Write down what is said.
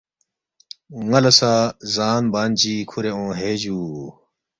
نلا سہ زان بان چی کھورے اونگ ہے جوو